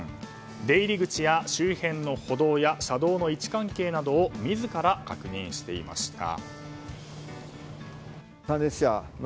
出入り口は周辺の歩道や車道の位置関係などを自ら確認していました。